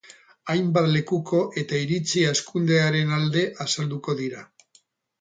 Hainbat lekuko eta iritzi hazkundearen alde azalduko dira.